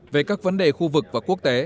về các vấn đề khu vực và quốc tế